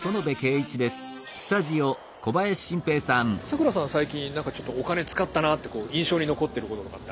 咲楽さんは最近何かちょっとお金使ったなってこう印象に残ってることとかってあります？